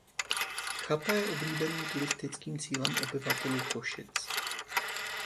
Chata je oblíbeným turistickým cílem obyvatelů Košic.